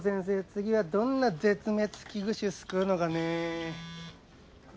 次はどんな絶滅危惧種救うのかね。